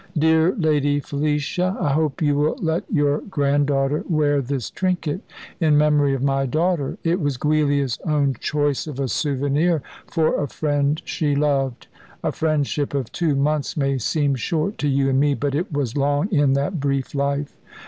"DEAR LADY FELICIA, I hope you will let your granddaughter wear this trinket in memory of my daughter. It was Giulia's own choice of a souvenir for a friend she loved. A friendship of two months may seem short to you and me; but it was long in that brief life.